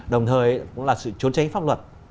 đồng thời cũng là sự trốn tránh pháp luật